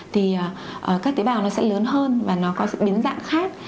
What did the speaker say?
thì các tế bào nó sẽ lớn hơn và nó có biến dạng khác